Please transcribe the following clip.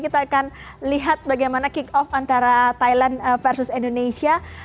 kita akan lihat bagaimana kick off antara thailand versus indonesia